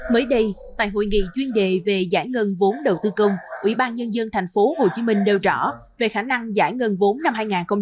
mới đây tại hội nghị chuyên đề về giải ngân vốn đầu tư công ủy ban nhân dân tp hcm đều rõ về khả năng giải ngân vốn năm hai nghìn hai mươi